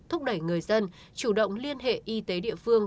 thúc đẩy người dân chủ động liên hệ y tế địa phương